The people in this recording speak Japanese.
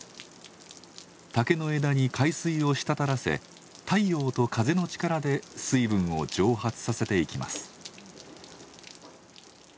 竹の枝に海水を滴らせ太陽と風の力で水分を蒸発させていきます。